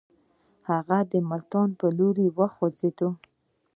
هغه د ملتان پر لور وخوځېدی.